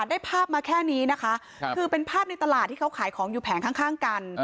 ได้ภาพมาแค่นี้นะคะคือเป็นภาพในตลาดที่เขาขายของอยู่แผงข้างกัน